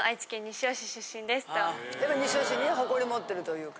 やっぱ西尾市には誇り持ってるというか？